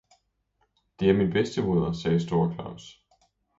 "Det er min bedstemoder!" sagde store Claus.